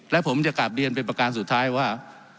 และผมจะกลับเรียนเป็นประการสุดท้ายว่า